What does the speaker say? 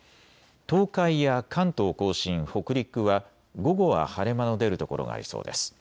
東海や関東甲信、北陸は午後は晴れ間の出る所がありそうです。